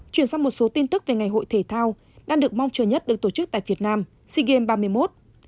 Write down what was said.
chuyển sang một số tin tức về ngày hội thể thao đang được mong chờ nhất được tổ chức tại việt nam sea games ba mươi một